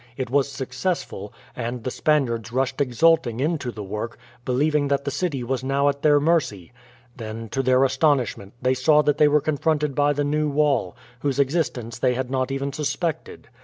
It was successful, and the Spaniards rushed exulting into the work, believing that the city was now at their mercy. Then, to their astonishment, they saw that they were confronted by the new wall, whose existence they had not even suspected.